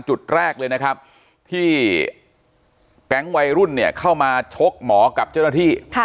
จุดแรกเลยนะครับที่แก๊งวัยรุ่นเนี่ยเข้ามาชกหมอกับเจ้าหน้าที่